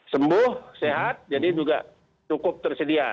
sembuh sehat jadi juga cukup tersedia